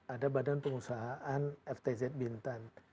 ada badan pengusahaan ftz bintan